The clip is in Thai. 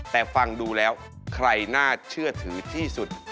แต่ฟังดูแล้วใครน่าเชื่อถือที่สุด